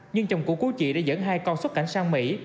nhưng chồng cũ của chị đã dẫn hai con xuất cảnh sang mỹ